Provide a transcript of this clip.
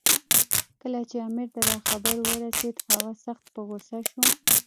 کله چې امیر ته دا خبر ورسېد، هغه سخت په غوسه شو.